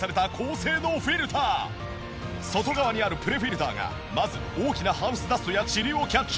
外側にあるプレフィルターがまず大きなハウスダストやチリをキャッチ。